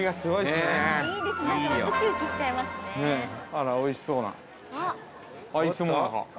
◆あら、おいしそうな。